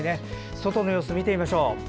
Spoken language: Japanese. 外の様子を見てみましょう。